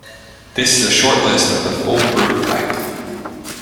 This is a short list of the full group type.